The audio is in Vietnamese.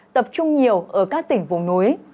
tập trung nhiều ở các tỉnh vùng núi